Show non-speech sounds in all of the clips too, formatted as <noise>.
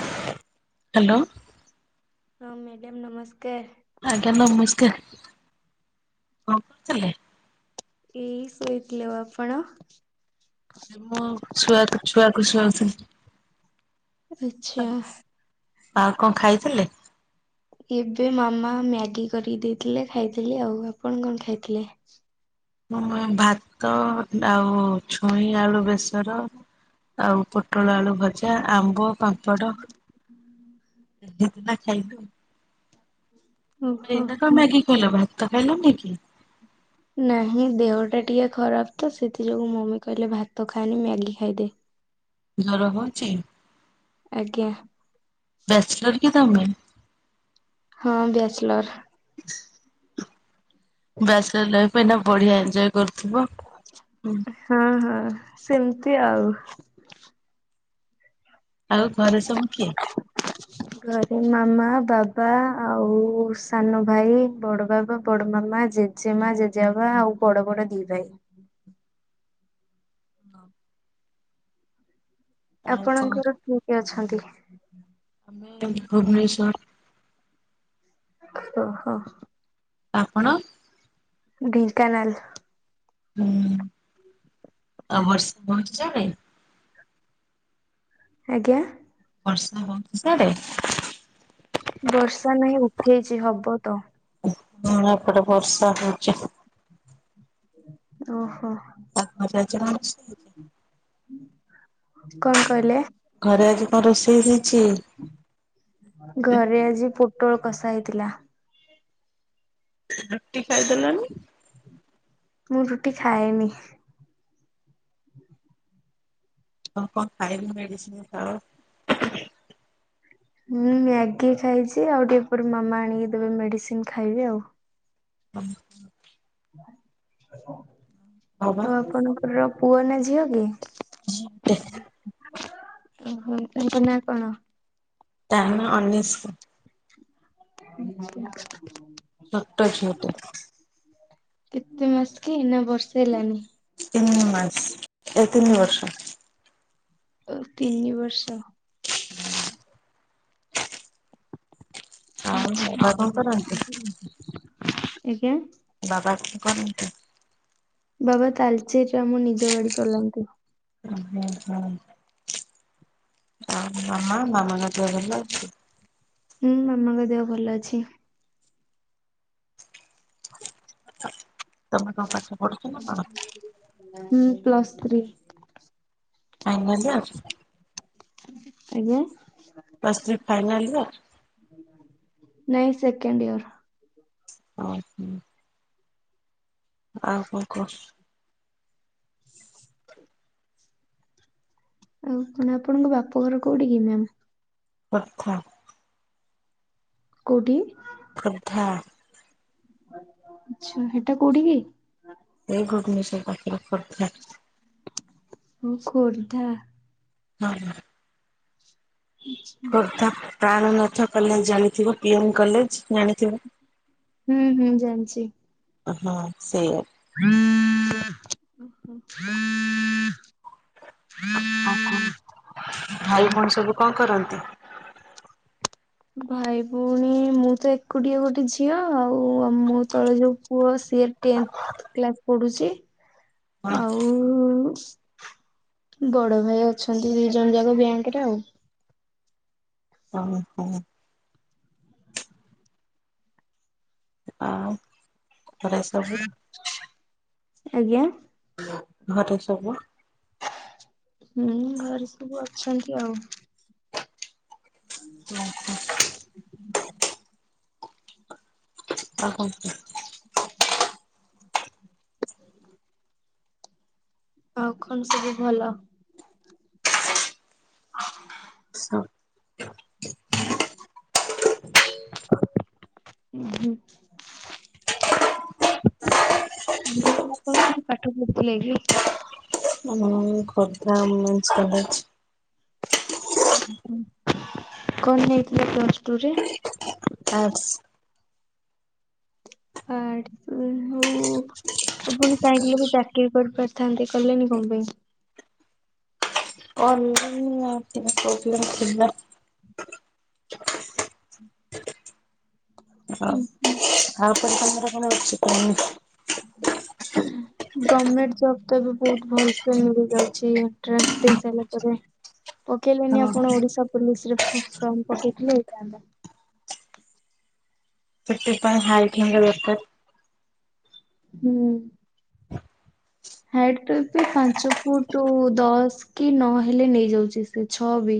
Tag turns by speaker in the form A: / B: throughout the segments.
A: Hello.
B: ହଁ madam ନମସ୍କାର।
A: ଆଜ୍ଞା ନମସ୍କାର, କଣ୍ କରୁଥିଲେ?
B: ଏଇ ଶୋଇଥିଲି, ଆଉ ଆପଣ?
A: ମୁଁ ଛୁଆକୁ ଛୁଆକୁ ସୁଆଉଥିଲି।
B: ଆଚ୍ଛା।
A: ଆଉ କଣ ଖାଇଥିଲେ?
B: ଏବେ ମାମା ମ୍ୟାଗି କରିକି ଦେଇଥିଲେ ଖାଇଥିଲି ଆଉ, ଆପଣ କଣ ଖାଇଥିଲେ?
A: ମୁଁ ଭାତ ଆଉ ଛୁଇଁ ଆଳୁ ବେସର ଆଉ ପୋଟଳ ଆଳୁ ଭଜା ଆମ୍ବ, ପାମ୍ପଡ଼, ଏମିତି ନା ଖାଇଲୁ। ତମେ
B: ଓହୋ।
A: ଏଇନା କଣ୍ ମ୍ୟାଗି ଖାଇଲ ଭାତ ଖାଇଲନି କି?
B: ନାହିଁ ଦେହ ଟା ଟିକେ ଖରାପ ତ ସେଥିଯୋଗୁ ମମି କହିଲେ ଭାତ ଖାନି ମ୍ୟାଗି ଖାଇଦେ।
A: ଜର ହଉଛି?
B: ଆଜ୍ଞା।
A: କିଦାମ ମ
B: ହଁ ବ୍ୟାଚଲର୍।
A: ବ୍ୟାଚଲର୍ ଲାଇଫ ଏଇନା ବଢିଆ ଏଞ୍ଜୟ୍ କରୁଥିବ। ହୁଁ
B: ହଁ ହଁ ସେମିତି ଆଉ
A: ଆଉ ଘରେ ସବୁ କିଏ?
B: ମା, ବାବା ଆଉ ସାନ ଭାଇ, ବଡ ବାବା, ବଡ ମାମା, ଜେଜେମା, ଜେଜେବା ବାବା ଆଉ ବଡ ବଡ ଦି ଭାଇ।
A: ଆଉ କଣ?
B: ଆପଣଙ୍କର କିଏ କିଏ ଅଛନ୍ତି?
A: ଆମେ ଭୁବନେସ୍ଵର।
B: ଓ ହୋ।
A: ଆପଣ?
B: ମୁଁ ଢେଙ୍କାନାଳ।
A: ହଁ ଆ ବର୍ଷା ବର୍ଛା ନାଇ?
B: ଆଜ୍ଞା?
A: ବର୍ଷା ହଉଛି ସାଡେ?
B: ବର୍ଷା ନାହିଁ, ଉଠେଇଛି ହବ ତ।
A: ହଁ ଏପଟେ ବର୍ଷା ହଉଛି।
B: ଓହୋ।
A: ତମର ଆଜି କଣ୍ ରୋଷେଇ?
B: କଣ କହିଲେ?
A: ଘରେ ଆଜି କଣ ରୋଷେଇ ହେଇ
B: ଘରେ ଆଜି ପୋଟଳ କଷା ହେଇଥିଲା।
A: ରୁଟି ଖାଇଦେଲନି?
B: ମୁଁ ରୁଟି ଖାଏନି।
A: କଣ କଣ ଖାଇକିନି ମେଡିସିନ୍ ଖାଅ?
B: ମୁଁ ମ୍ୟାଗି ଖାଇଛି ଆଉ ଟିକେ ପରେ ମାମା ଆଣିକି ଦେବେ ମେଡିସିନ ଖାଇବି ଆଉ।
A: ହୁଁ। ବାବା
B: ଆଉ ଆପଣଙ୍କର ପୁଅ ନା ଝିଅ କି?
A: ଝିଅଟେ।
B: ଉହୁଁ ତା ନା କଣ?
A: ତା ନା ଅନ୍ୱେଷା।
B: ହୁଁ।
A: ଛୋଟ ଝିଅଟେ।
B: କେତେ ମାସ କି ନା ବର୍ଷେ ହେଲାନି?
A: ତିନି ମାସ୍ ଏ ତିନି ବର୍ଷ
B: ଏ ତିନି ବର୍ଷ ।
A: ଆଉ ବାବା କଣ କରନ୍ତି?
B: ଛ ଏ।
A: ବାବା କି କରନ୍ତି।
B: ବାବା ତାଲଚେରରେ ଆମ ନିଜ ଗାଡି ଚଲାନ୍ତି।
A: ହୁଁ ହୁଁ ହୁଁ। ଆଉ ମାମାଙ୍କ ପ
B: ହୁଁ ମାମାଙ୍କ ଦେହ ଭଲ ଅଛି।
A: ଆ ତମେ କଣ ପାଠ? ପଢୁଛ ନା କଣ?
B: ହୁଁ ପ୍ଲସ୍ ଥ୍ରୀ।
A: ଫାଇନାଲି ଆଉ।
B: ଆଜ୍ଞା।
A: ପ୍ଲସ ଥ୍ରୀ ଫାଇନାଲ ନା।
B: ନାଇଁ ସେକେଣ୍ଡ ଇୟର।
A: ହଁ ହଁ ଆଉ କଣ କୁହ?
B: ଆଉ କଣ ଆପଣଙ୍କ ବାପଘର କୋଉଠି କି ମେମ୍
A: ଆଚ୍ଛା।
B: କୋଉଠି?
A: ଖୋର୍ଦ୍ଧା।
B: ଆଚ୍ଛା ସେଟା କୋଉଠିକି?
A: ଏ ଗୁରକୁ ମିଶେଇ ପାଞ୍ଚ <unintelligible>
B: ଉଁ ଖୋର୍ଦ୍ଧା।
A: ହଁ ହ। ଖୋର୍ଦ୍ଧା ପ୍ରାଣନାଥ କଲେଜ ଜାଣିଥିବ। ପିଏମ୍ କଲେଜ ଜାଣିଥିବ।
B: ହୁଁ ହୁଁ ଜାଣିଚି।
A: ହଁ ସେଇଆ।
B: ହୁଁ ହୁଁ।
A: ଭାଇ ଭଉଣୀ ସବୁ କଁ କରନ୍ତି?
B: ଭାଇ ଭଉଣୀ ମୁଁ ତ ଏକୁଟିଆ ଗୋଟେ ଝିଅ ଆଉ ମୋ ତଳେ ଯୋଉ ପୁଅ ସିଏ ଟେନଥ କ୍ଲାସ୍ ପଢୁଚି
A: ହଁ
B: ଆଉ ବଡ ଭାଇ ଅଛନ୍ତି ଦି ଜଣ ଯାକ ବ୍ୟାଙ୍କରେ ଆଉ।
A: ଅ ହୋ। ଆଉ <unintelligible> ସବୁ।
B: ଆଜ୍ଞା।
A: ଘରଟେ ସବୁ।
B: ହୁଁ ଘରେ ସବୁ ଅଛନ୍ତି ଆଉ।
A: ହୁଁ ହୁଁ। ଅହ।
B: ଆଉ କଣ ସବୁ ଭଲ? <inaudible>
A: ହଁ।
B: ଉ ହଁ। ମୁ ଆପଣ କୋଠି ପାଠ ପଢୁଥିଲେି କି?
A: ହଁ ଖଦା ଉମେନ୍ସ କଲେଜ୍।
B: କଣ ନେଇଥିଲେ ପ୍ଲସ ଟୁରେ?
A: ଆର୍ଟ୍ସ।
B: ଆର୍ଟ୍ସ ହଉ। ଆପଣ ଚାହିଁଥିଲେ ବି ଚାକିରୀ କରିପାରିଥାନ୍ତେ କିଲେନି କଣ ପାଇଁ?
A: <inaudible> କଣ <unintelligible> ଅଥିଲା ହଉ ଆପରେ ତମର କଣ ଅଛି କହୁନି।
B: ଗଭର୍ମେଣ୍ଟ ଜବ ତ ବି ଏବେ ବହୁତ ଭଲସେ ମିଳି ଯାଉଚି, ଏଣ୍ଟାନ୍ସ ଦେଇ ସାରିଲା ପରେ ପକେଇଲେନି
A: ହଁ
B: ଆପଣ ଓଡିଶା ପୋଲିସ ରେ ଫମ ଫ୍ରମ ପକେଇଥିଲେ ହେଇଥାନ୍ତା।
A: ପଟ ପାଇଁ ହାଇଟ ହବା ଦରକାର।
B: ହୁଁ। ହାଇଟ ତ ଏବେ ପାଞ୍ଚ ଫୁଟ ଦଶ କି ନଅ ହେଲେ ନେଇଯାଉଚି ସେ ଛଅ ବି।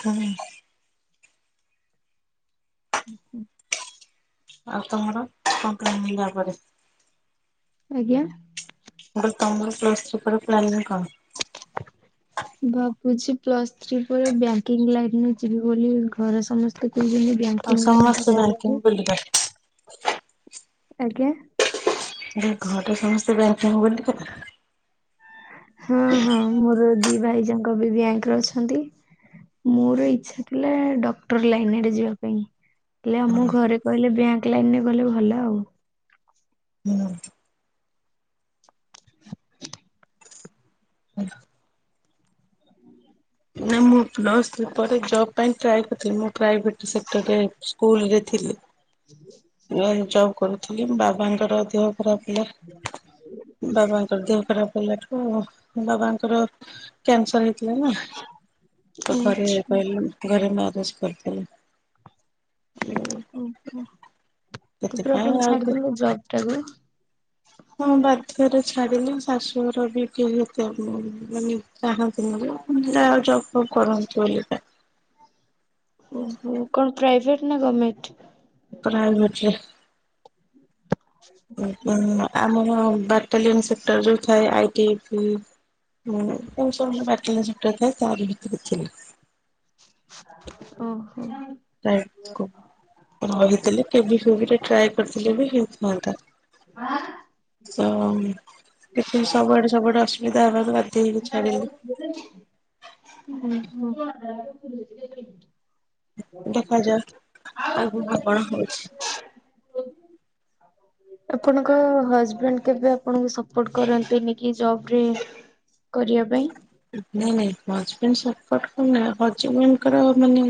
A: ହୁଁ।
B: ଉ ହୁଁ।
A: ଆଉ ତମର କମ୍ପ୍ଲେନ୍ ନିଲା ପରେ
B: ଆଜ୍ଞା।
A: ମୁ କହିଲି ତମର ପ୍ଲସ ଟୁ ପରେ ପ୍ଲାନିଂ କଣ?
B: ଭାବୁଚି ପ୍ଲସ୍ ଥ୍ରୀ ପରେ ବ୍ୟାଙ୍କିଙ୍ଗ ଲାଇନ ଯିବି ବୋଲି ଘରେ ସମସ୍ତେ କହୁଛନ୍ତି
A: ଆଉ
B: ବ୍ୟାଙ୍କିଙ୍ଗ ଲାଇନ ଟା
A: ସମସ୍ତେ
B: ଭଲ
A: କାହିଙ୍କି
B: ଯେ
A: ବୁଲିକ
B: ଆଜ୍ଞା।
A: ଘରେ ସମସ୍ତେ ବ୍ୟାଙ୍କି ବୋଲି କା
B: ହଁ ହଁ ମୋର ଦି ଭାଇ ଯାଙ୍କ ବି ବ୍ୟାଙ୍କରେ ଅଛନ୍ତି। ମୋର ଇଚଛା ଥିଲା ଡକ୍ଟର ଲାଇନରେ ଯିବା ପାଇଁ। ହେଲେ ଆମ ଘରେ କହିଲେ ବ୍ୟାଙ୍କ ଲାଇନରେ ଗଲେ ଭଲ ଆଉ।
A: ନା ମୁଁ ପ୍ଲସ୍ ପରେ ଜବ୍ ପାଇଁ ଟ୍ରାଏ କରିଥିଲି ମୁଁ ପ୍ରାଇଭେଟ୍ ସେତେକେ ସ୍କୁଲ୍ ରେ ଥିଲି, ନୂଆ ଜବ କରୁଥିଲି। ଥିଲି ବାବାଙ୍କର ଦେହ ଖରାପ ହେଲା ବାବାଙ୍କର ଦେହ ଖରାପ ହେଲାଠୁଁ ବାବାଙ୍କର କ୍ୟାନସର ହେଇଥିଲା ନା ତ
B: ଓ
A: ଘରେ
B: ଆଚ୍ଛା
A: କହିଲେ ଘରେ ମାରଜ କରିଦେଲେ।
B: ଓହୋ ତ ପୁରା
A: ସେଥିପାଇଁ
B: ପୁଣ
A: ଆଉ କେ
B: ଛାଡିଦେଲେ ଜବ ଟାକୁ?
A: ହଁ ବାଧ୍ୟରେ ଛାଡିଲି, ଶାଶୁଘର ବି ଟିକେ ସେତ ଆ ମାନେ ଚାହାନ୍ତିନି ନା। ଆଉ ଜବ ଫବ୍ କରନ୍ତୁ ବୋଲି କା
B: ଓହୋ କଣ ପ୍ରାଇଭେଟ ନା ଗଭର୍ମେଣ୍ଟ?
A: ପ୍ରାଇଭେଟରେ ଆମ ହଁ ବାଟାଲିୟନ ସେତେବେଳକୁ ଯୋଉ ଥାଏ ଆଇଟି ବି ଉଁ ଏମିତି ସବୁ <unintelligible> ଥାଏ ତାହା ବି <unintelligible>
B: ଓ।
A: ଣ କହିଥିଲେ କେବି ଫେବି ରେ ଟ୍ରାଇ କର କରିଥିଲେ ବି ହେଇଥାନ୍ତା। ତ ଟିକେ ସବୁଆଡ ସବୁଆଡେ ଅସୁବିଧା ହବାରୁ
B: ଓ ହୋ।
A: ଦେଖାଯାଉ ଆଗକୁ କଣ ହଉଛି।
B: <inaudible> ଆପଣଙ୍କ ହଜବେ ଣ୍ଡ କେବେ ଆପଣଙ୍କୁ ସପୋର୍ଟ କରନ୍ତିନି କି ଜବ ରେ କରିବା ପାଇଁ?
A: ନାଇଁ ନାଇଁ ହଜବେଣ୍ଡ ସପଟ କରୁନ ହଜବେଣ୍ଡଙ୍କର ମାନେ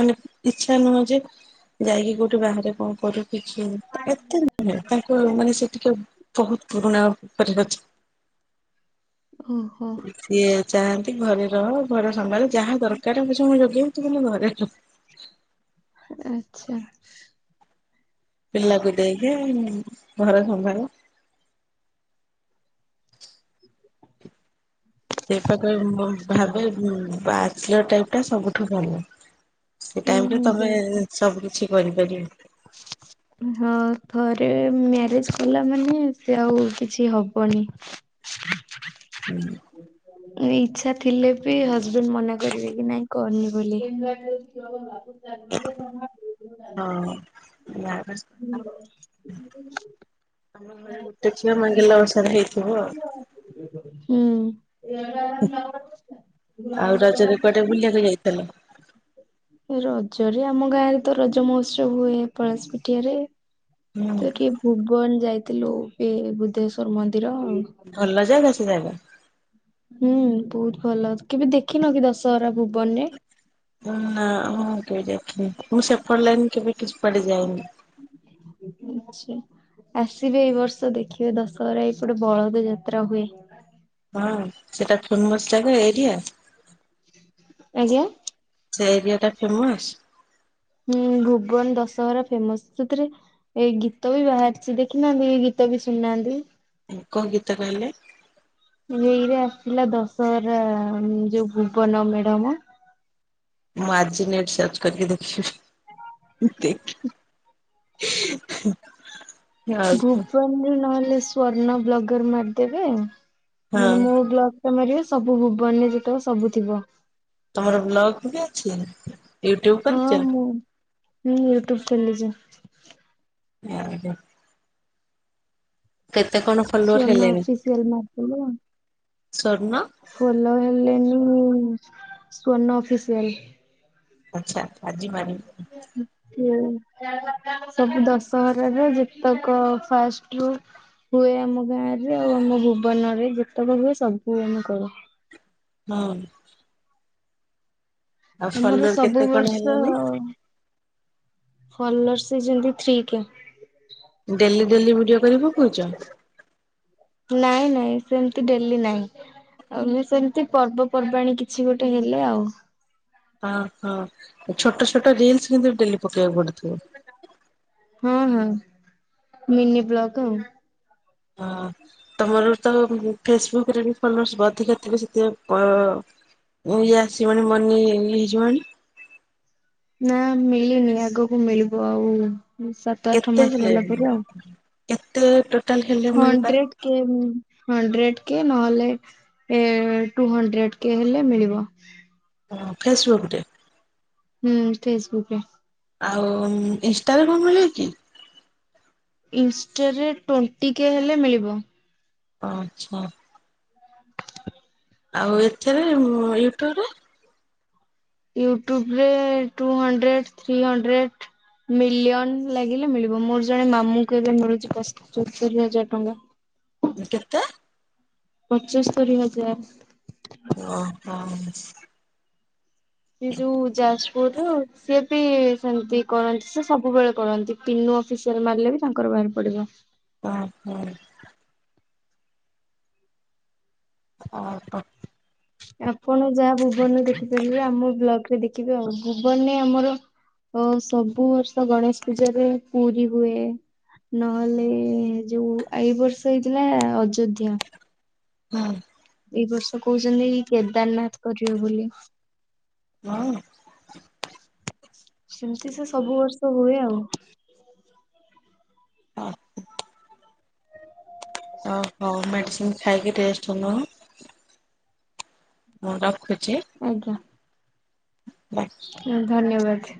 A: ମାନେ ଟି ଛାନୁଛି <unintelligible> ଯାଇକି କୋଉଠି ବାହାରେ କଣ କରୁ କିଛି। <unintelligible> କି ଏତେ ନୁହେଁ ତାଙ୍କ ମାନେ ସେ ଟିକେ ବହୁତ ପୁରୁଣା <inaudible> ପରିପଦ
B: ଓହୋ
A: ସିଏ ଚାହାନ୍ତି ଘରେ ରହ, ଘର ସମ୍ଭାଳ। ଯାହା ଦରକାର ମୁଁ ସମୟ <unintelligible> ଯୋଗେଇବି ତୁ କିନ୍ତୁ ଘରେ ରହ।
B: ଆଚ୍ଛା।
A: ପିଲାକୁ ଦେଇକି ଘର ସମ୍ଭଳ। ସେ ପାଖରେ ମୁଁ ଭାବେ <unintelligible> ବା ଟାଇପ ଟା ସବୁଠୁ ଭଲ। ସେ
B: ହୁଁ
A: ଟାଇମରେ ତମେ
B: ହୁଁ
A: ସବୁ କିିଛି କରିପାରିବ।
B: ହଁ <inaudible> ମ୍ୟାରେଜ କଲା ମାନେ ସେ ଆଉ କିଛି ହବନି। ଇଚ୍ଛା ଥିଲେ ବି ହଜବେଣ୍ଡ ମନା କରିବେ କି ନାଇଁ କରନି ବୋଲି।
A: ହଁ <inaudible> ଆମ ଘରେ ଗୋଟେ ଛୁଆ <unintelligible> ମାନେ ଗେଲ ବସର ହେଇଥିବ ଆଉ।
B: ଏ ଆ
A: ଆଉ ରଜରେ
B: ଗ
A: କୁଆଡେ ବୁଲିବାକୁ ଯାଇଥିଲ?
B: <unintelligible> ରଜରେ ଆମ ଗାଁରେ ତ ରଜ ମହୋତ୍ସବ ହୁଏ, ପଳାଶ ପିଠିଆରେ।
A: ହୁଁ
B: ତ ଟିକେ ଭୁବନ ଯାଇଥିଲୁ <inaudible> ବୁଦ୍ଧେଶ୍ବର ମ
A: ଭଲ ଜାଗା ସେ ଜାଗା?
B: ହୁଁ ବହୁତ ଭଲ କେବେ ଦେଖିନ କି ଦଶହରା ଭୁ
A: ନା ହଁ <unintelligible> ମୁଁ ଦେଖେ। ମୁଁ ସେପଟ ଲାଇନ୍ କେବେ କିଛି ପଡିଯାଏନି। <unintelligible>
B: ଆଚ୍ଛା। ଆସିବେ ଏଇ ବର୍ଷ ଦେଖିବେ ଦଶହରା ଏଇ ପଟେ ବଳଦ ଯାତ୍ରା ହୁଏ।
A: ହଁ ସେଟା ଫେମସ ଜାଗା ଏରିଆ।
B: ଆଜ୍ଞା?
A: ସେ ଏରିଆ ଟା ଫେମସ?
B: ହୁଁ ଭୁବନ ଦଶହରା ଫେମସ। ସେଥିରେ ଏଇ ଗୀତ ବି ବାହାରିଛି। ଦେଖିନାହାନ୍ତି ଗୀ ତ ବି ଶୁନାହାନ୍ତି?
A: ଏ କୋଉ ଗୀତ କହିଲେ?
B: ଏଇରେ ଆସିଲା ଦଶହରା ଯୋଉ ଭୁବନ ମେଡମ <unintelligible>
A: ମୁଁ ଆଜିି ନେଟ ସର୍ଚ୍ଚ କରିକି ଦେଖବି ଦେଖ ଆଉ କଣ
B: ଭୁବନ ନହେଲେ ସ୍ଵର୍ଣ୍ଣ ବ୍ଲଗର ମାରିଦେବେ। ମାନେ
A: ହଁ
B: ମୋ ବ୍ଲକ ଟା ମାରିବ ସବୁ ଭୁବନ ଯେତେକ ସବୁ ଥିବ।
A: ତମର ବ୍ଲଗ ବି ଅଛି? ୟୁଟୁବ
B: ହଁ
A: କରିଛ?
B: ମୁଁ ହୁଁ ୟୁଟ୍ୟୁବ ଚାଲିଛି।
A: <inaudible> କେତେ କଣ ଫଲୋଅର
B: ସ୍ଵର୍ଣ୍ଣ
A: ହେଲେଣିି?
B: ଅଫିସିଆଲ ମାରିଦେଲେ ଫଲୋ ହେଲେଣି ସ୍ଵର୍ଣ୍ ଅଫିସିଆଲ।
A: ଆଚ୍ଛା। ଆଜି ମାରିବି
B: ସବୁ ଦଶହରାରେ ଯେତକ ଫାଷ୍ଟ ହୁଁ ହୁଏ ଆମ ଗାଁ ରେ, ଆଉ ଆମ ଭୁବନରେ ଯେତେକ ହୁଏ? ସବୁ ଆମେ କରୁ।
A: ହଁ ଆଉ
B: ତମର
A: ଫଲୋର କେତେ
B: ସବୁ
A: କଣ
B: ବର୍ଷ
A: ହେଲେଣି
B: ଫଲୋଅର୍ସ ହେଇଛନ୍ତି three K.
A: Daily daily video କରି ପକଉଛ?
B: ନାଇଁ ନାଇଁ ସେମିତି ଡେଲି ନାହିଁ। ଆଉ ସେମିତି ପର୍ବପର୍ବାଣୀ କିଛି ଗୋଟେ ହେଲେ ଆଉ।
A: ଅହ ହଁ ଛୋଟ ଛୋଟ ରିଲ୍ସ କିନ୍ତୁ ଡେଲି ପକେଇବାକୁ ପଡେ?
B: ହଁ ହଁ ମିନି ବ୍ଲକ ଆଉ।
A: ହଁ ତମର ତ ଉଁ ଫେସବୁକରେ ବି ଫଲୋର୍ସ ଅଧିକା ଥିବେ ସେଥିପାଇଁ ପ ଓ ଇଏ ଆସିବଣି ମନି ଇଏ ହେଇଯିବଣି।
B: ନା ମିଳିନି ଆଗକୁ ମିଳିବ ଆଉ ସାତ ଆଠ
A: କେତେ
B: ମାସ
A: ହେଲେ
B: ଗଲା ପରେ ଆଉ।
A: କେତେ ଟୋ
B: ହଣ୍ଡ୍ରେଡ କେ ହୁଁ ଉଁ। ହଣ୍ଡ୍ରେଡ କେ ନହେଲେ ଏ ଟୁ ହଣ୍ଡ୍ରେଡ କେ ହେଲେ ମିଳିବ।
A: ଉଁ ଫେସବୁକ ଡେ।
B: ହୁଁ ଫେସବୁକର।
A: ଆଉ ଉମ୍ ଇନଷ୍ଟାରେ କଣ ମିଳେ କି?
B: ଇନଷ୍ଟାରେ ଟ୍ୱେଣ୍ଟି କେ ହେଲେ ମିଳିବ।
A: ଆଚ୍ଛା। ଆଉ ଏଥିରେ ୟୁଟ୍ୟୁବ ରେ?
B: ୟୁଟ୍ୟୁବ ରେ two hundred three hundred. Million ଲାଗିଲେ ମିଳିବ ମୋର ଜଣେ ମାମୁଁଙ୍କୁ ଏବେ ମିଳୁଛି ପଶ୍ ପଚସ୍ତରି ହଜାର ଟଙ୍କା।
A: କେତେ?
B: ପଚସ୍ତରୀ ହଜାର।
A: ଓ ହୋ।
B: ସେ ଯୋଉ ଯାଜପୁରୁ ସିଏ ବି ସେମତି କରନ୍ତି। ସେ ସବୁବେଳେ କରନ୍ତି ତିନୁ ଅଫିସିଆଲ ମାରିଲେ ବି ତାଙ୍କର ବାହାରି ପଡିବ।
A: ଅ ହୋ। ଅ ହୋ।
B: ଆପଣ ଯାହା ଭୁବନରେ ଦେଖିପାରିବେ ଆମ ବ୍ଲଗ ରେ ଦେଖିବେ। ଆଉ ଭୁବନରେ ଆମର ଅ ସବୁ ବର୍ଷ ଗଣେଶ ପୂଜାରେ ପୁରୀ ହୁଏ। ନହେଲେ ଯୋଉ ଏଇ ବର୍ଷ ହେଇଥିଲା ଅଯୋଧ୍ୟା।
A: ହୁଁ।
B: ଏଇ ବର୍ଷ କହୁଚନ୍ତି ଇ କେଦାରନାଥ କରିବେ ବୋଲି।
A: ହଁ।
B: ସେମିତି ସେ ସବୁ ବର୍ଷ ହୁଏ ଆଉ।
A: ହଁ। ଅହୋ ମେଡ଼ିସିନ ଖାଇକି ଟେଷ୍ଟ ସବୁ ନଉନୁ। ମୋର।
B: ଆଜ୍ଞା।
A: ବାଏ।
B: ହଁ ଧନ୍ୟବାଦ।